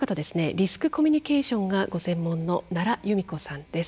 リスクコミュニケーションがご専門の奈良由美子さんです。